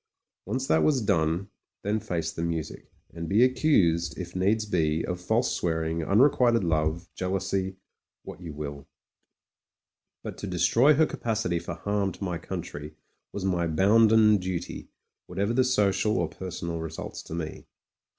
Once that was done, then face the music, and be accused, if needs be, of false swearing, unrequited love, jealousy, what 92 MEN, WOMEN AND GUNS you will. But to destroy her capacity for harm to my country was my bounden duty, whatever the so cial or personal results to me.